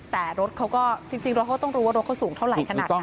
แต่รถเขาก็จริงรถเขาก็ต้องรู้ว่ารถเขาสูงเท่าไหร่ขนาดนั้น